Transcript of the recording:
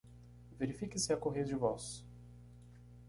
Verifique se há correios de voz.